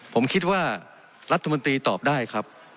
ผมคิดว่ารัฐมนตรีตอบได้ครับ